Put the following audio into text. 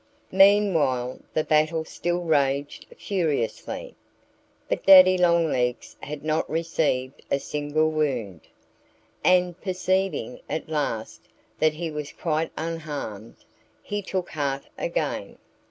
Meanwhile the battle still raged furiously. But Daddy Longlegs had not received a single wound. And perceiving, at last, that he was quite unharmed, he took heart again.